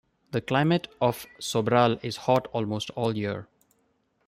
The climate of Sobral is hot almost all year.